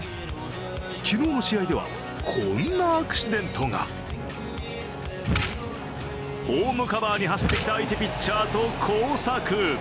昨日の試合では、こんなアクシデントがホームカバーに走ってきた相手ピッチャーと交錯。